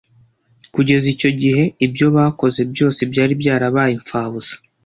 Kugeza icyo gihe ibyo bakoze byose byari byarabaye imfabusa.